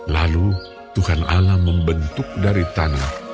lalu tuhan alam membentuk dari tanah